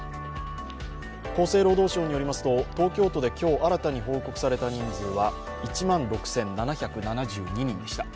厚生労働省によりますと東京都で今日新たに報告された人数は１万６７７２人でした。